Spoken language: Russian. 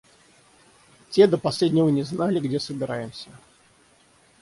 Те до последнего не знали, где собираемся.